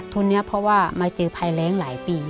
ทุนนี้เพราะว่ามาเจอภัยแรงหลายปี